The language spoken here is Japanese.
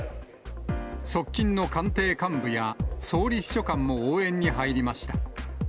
側近の官邸幹部や総理秘書官も応援に入りました。